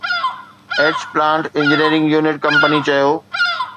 H plant engineering unit company چيو